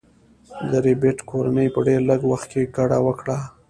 د ربیټ کورنۍ په ډیر لږ وخت کې کډه وکړه